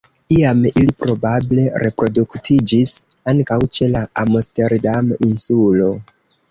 Iam ili probable reproduktiĝis ankaŭ ĉe la Amsterdam-Insulo.